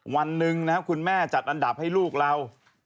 วันหนึ่งนะครับคุณแม่จัดอันดับให้ลูกเรา